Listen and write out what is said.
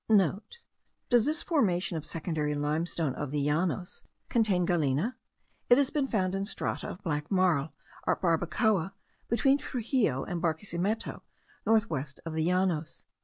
*(* Does this formation of secondary limestone of the Llanos contain galena? It has been found in strata of black marl, at Barbacoa, between Truxillo and Barquesimeto, north west of the Llanos.)